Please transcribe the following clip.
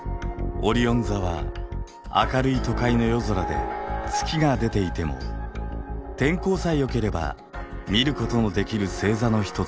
オリオン座は明るい都会の夜空で月が出ていても天候さえよければ見ることのできる星座の一つです。